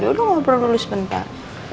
ya udah ngobrol dulu sebentar